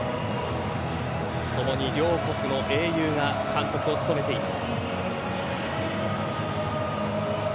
共に両国の英雄が監督を務めています。